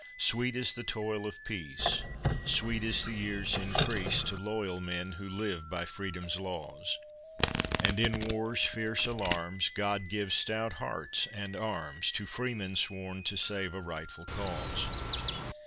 Sweet is the toil of peace, Sweet is the year's increase, To loyal men who live by Freedom's laws; And in war's fierce alarms God gives stout hearts and arms To freemen sworn to save a rightful cause.